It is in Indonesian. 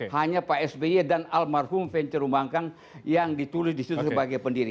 hanya pak sby dan almarhum fencerumangkang yang ditulis disitu sebagai pendiri